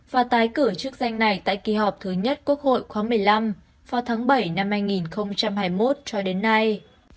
và tái cử chức danh này tại kỳ họp thứ nhất quốc hội khóa một mươi năm vào tháng bảy năm hai nghìn hai mươi một cho đến nay